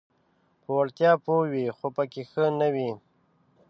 په وړتیا پوه وي خو پکې ښه نه وي: